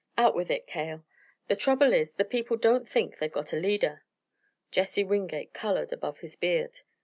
"Out with it, Cale!" "The trouble is, the people don't think they've got a leader." Jesse Wingate colored above his beard.